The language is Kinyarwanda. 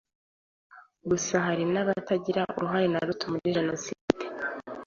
gusa hari n’abataragize uruhare na ruto muri Jenoside